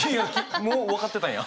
もう分かってたんや！